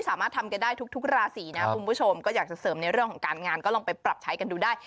สามารถทำกันได้ทุกราศีนะคุณผู้ชมก็อยากจะเสริมในเรื่องของการงานก็ลองไปปรับใช้กันดูได้